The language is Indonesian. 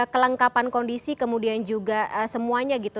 kelengkapan kondisi kemudian juga semuanya gitu